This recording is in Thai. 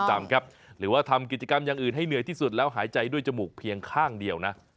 หรือว่าทำกิจกรรมอย่างอื่นให้เหนื่อยที่สุดแล้วหายใจด้วยจมูกเพียงข้างเดียวนะ